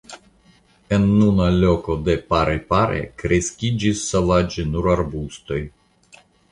En nuna loko de Parepare kreskiĝis sovaĝe nur arbustoj.